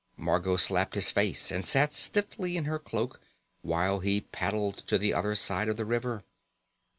Margot slapped his face and sat stiffly in her cloak while he paddled to the other side of the river.